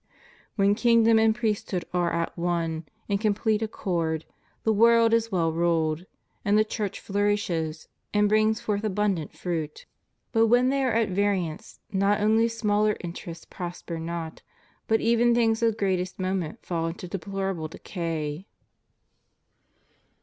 When kingdom and priest hood are at one, in complete accord, the world is well ruled, and the Church flourishes, and brings forth abun dant fruit. But when they are at variance, not only smaller interests prosper not, but even things of greatest moment fall into deplorable decay."